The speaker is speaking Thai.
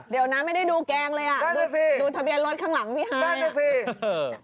เดี๋ยวนะไม่ได้ดูแกงเลยอ่ะดูทะเบียนรถข้างหลังพี่ฮาย